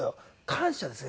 感謝ですよ